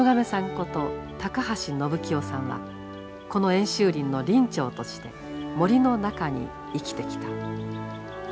こと高橋延清さんはこの演習林の林長として森の中に生きてきた。